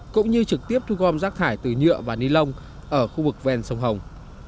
cũng như trực tiếp thu gom rác thải từ nhựa và ni lông ở khu vực ven sông hồng